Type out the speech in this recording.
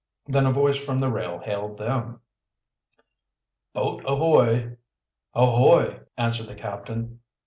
Then a voice from the rail hailed them. "Boat ahoy!" "Ahoy!" answered the captain.